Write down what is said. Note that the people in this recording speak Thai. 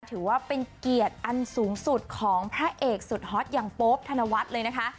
ถือว่าเป็นเกียรติอันสูงสุดของพระเอกสุดฮอตอย่างโป๊ปธนวัฒน์เลยนะคะ